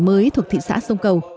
mới thuộc thị xã sông cầu